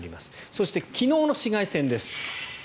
そして、昨日の紫外線です。